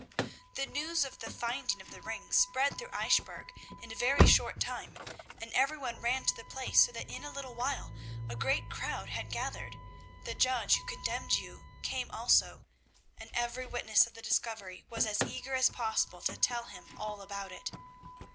"The news of the finding of the ring spread through Eichbourg in a very short time, and every one ran to the place, so that in a little while a great crowd had gathered. The judge who condemned you came also, and every witness of the discovery was as eager as possible to tell him all about it.